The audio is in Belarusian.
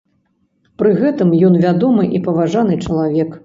Пры гэтым, ён вядомы і паважаны чалавек?